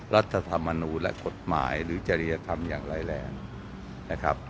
รัฐธรรมนุษย์และกฎหมายหรือจริยธรรมอย่างไรแหละนะครับ